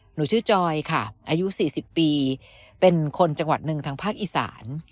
หนูชื่อจอยค่ะอายุ๔๐ปีเป็นคนจังหวัดหนึ่งทางภาคอีสาน